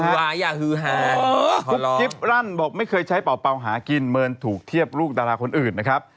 อย่าฮือหากุ๊บกิ๊บรั่นบอกไม่เคยใช้เป่าหากินเมินถูกเทียบลูกดาราคนอื่นนะครับ